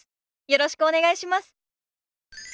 よろしくお願いします。